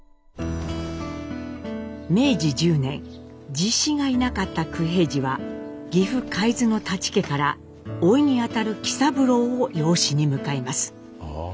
実子がいなかった九平治は岐阜海津の舘家からおいにあたる喜三郎を養子に迎えます。